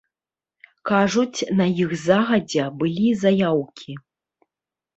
Кажуць, на іх загадзя былі заяўкі.